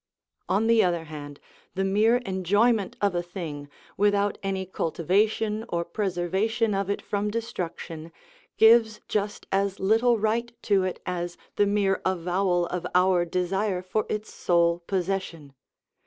(74) On the other hand, the mere enjoyment of a thing, without any cultivation or preservation of it from destruction, gives just as little right to it as the mere avowal of our desire for its sole possession.